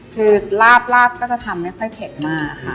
คือลาบลาบก็จะทำไม่ค่อยเผ็ดมากค่ะ